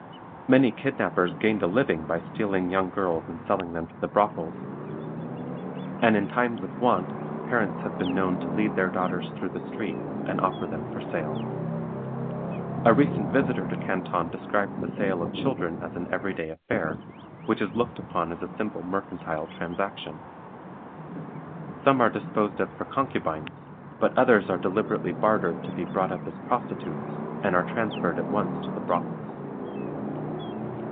Many kidnappers gained a living by stealing young girls and selling them to the brothels, and in times of want parents have been known to lead their daughters through the streets and offer them for sale. A recent visitor to Canton describes the sale of children as an every day affair, which is looked upon as a simple mercantile transaction. Some are disposed of for concubines, but others are deliberately bartered to be brought up as prostitutes, and are transferred at once to the brothels.